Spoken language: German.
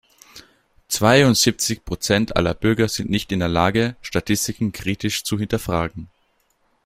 Zweiundsiebzig Prozent aller Bürger sind nicht in der Lage, Statistiken kritisch zu hinterfragen.